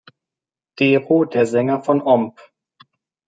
Dero, der Sänger von Oomph!